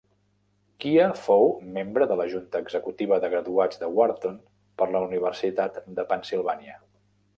Chia fou membre de la junta executiva de graduats de Wharton de la universitat de Pennsilvània.